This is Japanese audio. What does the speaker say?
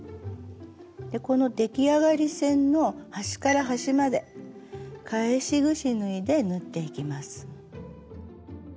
この出来上がり線の端から端まで返しぐし縫いで縫っていきます。